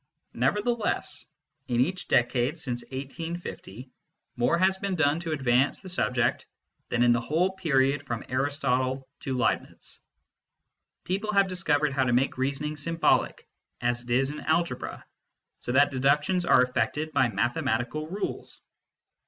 Nevertheless, in each decade since 1850 more has been done to advance the subject than in the whole period from Aristotle to Leibniz. People have discovered how to make reasoning symbolic, as it is in Algebra, so that deductions are effected by mathematical rules.